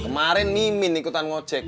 kemarin mimin gitu ngocek